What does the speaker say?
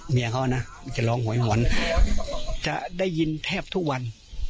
เมียเขานะจะร้องหวยหอนจะได้ยินแทบทุกวัน